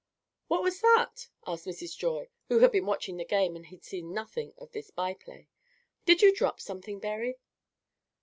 "What was that?" asked Mrs. Joy, who had been watching the game and had seen nothing of this by play. "Did you drop something, Berry?"